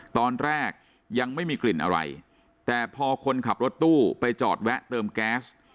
ตอนแรกยังไม่มีกลิ่นอะไรแต่พอคนขับรถตู้ไปจอดแวะเติมแก๊ส